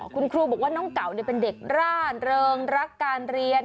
คุณครูบอกว่าน้องเก่าเป็นเด็กร่าเริงรักการเรียน